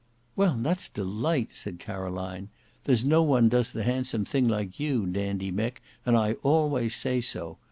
"Well, that's delight," said Caroline. "There's no one does the handsome thing like you, Dandy Mick, and I always say so.